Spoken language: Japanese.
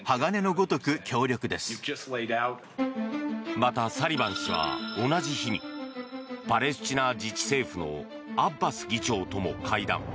また、サリバン氏は同じ日にパレスチナ自治政府のアッバス議長とも会談。